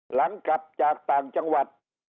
หลังกลับจากต่างจังหวัด